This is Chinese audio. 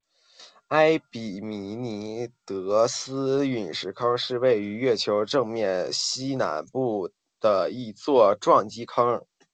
埃庇米尼得斯陨石坑是位于月球正面西南部的一座撞击坑。